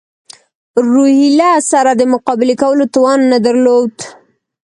روهیله سره د مقابلې کولو توان نه درلود.